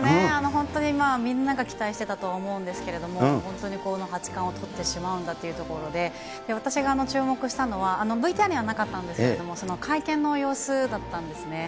本当にみんなが期待してたと思うんですけれども、本当にこの八冠をとってしまうんだというところで、私が注目したのは、ＶＴＲにはなかったんですけれども、会見の様子だったんですね。